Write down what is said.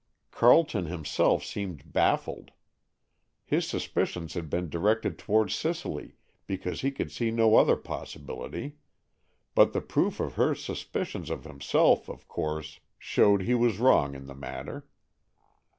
Carleton himself seemed baffled. His suspicions had been directed toward Cicely, because he could see no other possibility; but the proof of her suspicions of himself, of course, showed he was wrong in the matter.